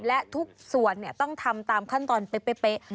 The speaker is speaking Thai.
และทุกส่วนต้องทำตามขั้นตอนเป๊ะ